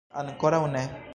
Ankoraŭ ne.